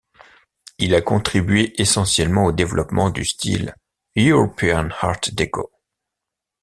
Il a contribué essentiellement au développement du style European Art-Déco.